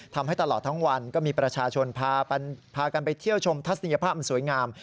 ทำให้ตลอดทั้งวันก็มีประชาชนพากันไปเที่ยวชมทัศนียภาพอันสวยงาม